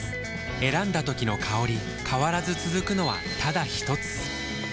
選んだ時の香り変わらず続くのはただひとつ？